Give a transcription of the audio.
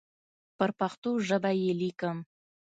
پر پښتو ژبه یې لیکم.